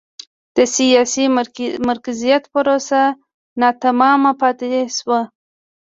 د سیاسي مرکزیت پروسه ناتمامه پاتې شوه.